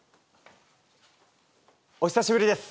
おひさしぶりです。